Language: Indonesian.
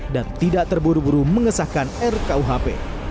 dan tidak terburu buru mengesahkan rkuhp